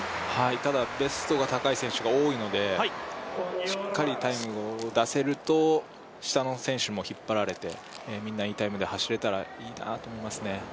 ただベストが高い選手が多いのでしっかりタイムを出せると下の選手も引っ張られて、みんないいタイムで走れたらいいなと思いますね。